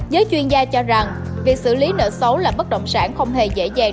giới chuyên gia cho rằng việc xử lý nợ xấu là bất động sản không hề dễ dàng